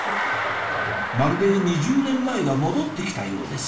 まるで２０年前が戻って来たようです